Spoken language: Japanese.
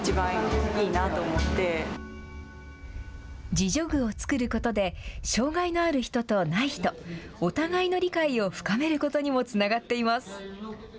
自助具を作ることで、障害のある人とない人、お互いの理解を深めることにもつながっています。